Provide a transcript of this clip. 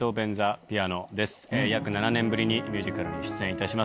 約７年ぶりにミュージカルに出演いたします。